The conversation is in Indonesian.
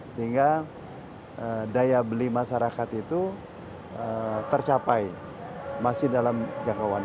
sehingga daya beli masyarakat itu tercapai masih dalam jangkauan